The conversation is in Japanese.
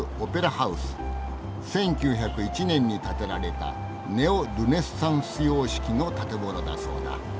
１９０１年に建てられたネオ・ルネサンス様式の建物だそうだ。